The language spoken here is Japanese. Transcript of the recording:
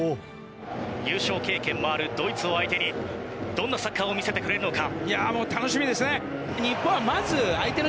優勝経験もあるドイツを相手にどんなサッカーを見せてくれるのか。